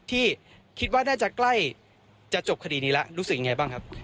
ที่คิดว่าน่าจะใกล้จะจบคดีนี้แล้วรู้สึกยังไงบ้างครับ